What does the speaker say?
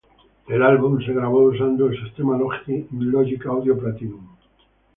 El álbum se grabó usando el sistema logic audio platinum.